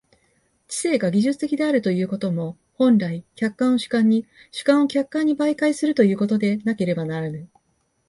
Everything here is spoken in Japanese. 知性が技術的であるということも、本来、客観を主観に、主観を客観に媒介するということでなければならぬ。